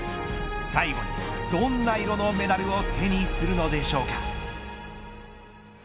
最後にどんな色のメダルを手にするのでしょうか。